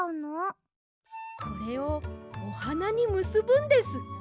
これをおはなにむすぶんです。